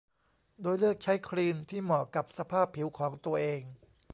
โดยเลือกใช้ครีมที่เหมาะกับสภาพผิวของตัวเอง